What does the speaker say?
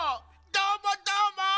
どーもどーも！